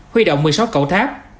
huy động một mươi sáu cậu tháp